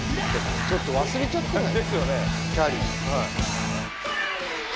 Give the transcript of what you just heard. ちょっと忘れちゃってない？